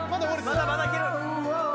まだまだいける！